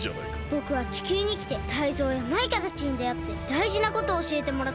ぼくは地球にきてタイゾウやマイカたちにであってだいじなことをおしえてもらったんです。